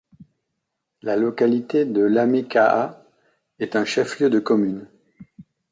La localité de Lamékaha est un chef-lieu de commune.